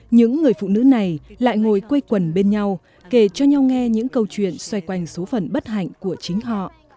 những người phụ nữ này lại ngồi quây quần bên nhau kể cho nhau nghe những câu chuyện xoay quanh số phần bất hạnh của chính họ